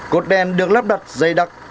cột đèn được lắp đặt dây đặc